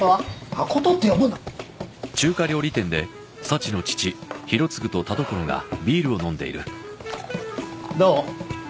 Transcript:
誠って呼ぶなどう？